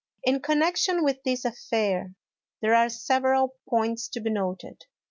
In connection with this affair there are several points to be noted.